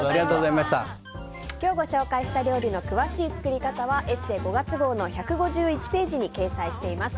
今日ご紹介した料理の詳しい作り方は「ＥＳＳＥ」５月号の１５１ページに掲載しています。